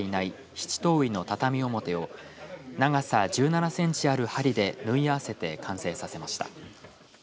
シチトウイの畳表を長さ１７センチある針で縫い合わせて完成させました。